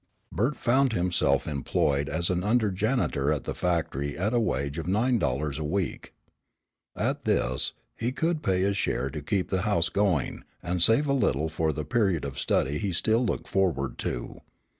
Bert found himself employed as an under janitor at the factory at a wage of nine dollars a week. At this, he could pay his share to keep the house going, and save a little for the period of study he still looked forward to.